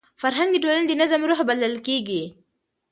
فرهنګ د ټولني د نظم روح بلل کېږي.